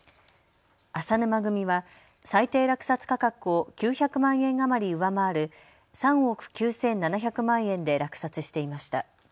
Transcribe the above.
淺沼組は最低落札価格を９００万円余り上回る３億９７００万円で落札していました。